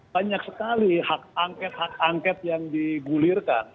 banyak sekali hak angket hak angket yang digulirkan